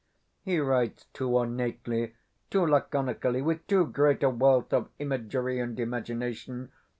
He writes too ornately, too laconically, with too great a wealth of imagery and imagination.